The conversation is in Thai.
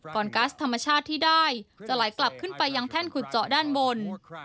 ก๊าซธรรมชาติที่ได้จะไหลกลับขึ้นไปยังแท่นขุดเจาะด้านบน